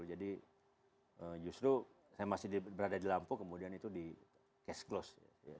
jadi justru saya masih berada di lampung kemudian itu di cash close